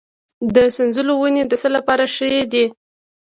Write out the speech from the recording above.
د سنځلو ونې د څه لپاره ښې دي؟